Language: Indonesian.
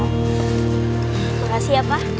makasih ya pak